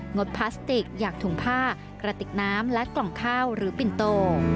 ดพลาสติกอยากถุงผ้ากระติกน้ำและกล่องข้าวหรือปิ่นโต